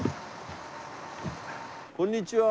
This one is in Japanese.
こんにちは。